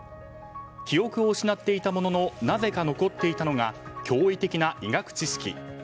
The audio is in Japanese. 記憶を失っていたもののなぜか残っていたのが驚異的な医学知識。